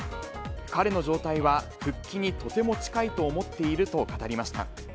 彼の状態は復帰にとても近いと思っていると語りました。